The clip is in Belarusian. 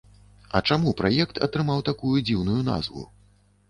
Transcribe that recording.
А чаму праект атрымаў такую дзіўную назву?